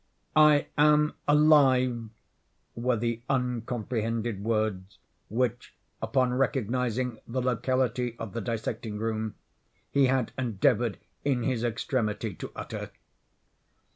"I am alive," were the uncomprehended words which, upon recognizing the locality of the dissecting room, he had endeavored, in his extremity, to utter.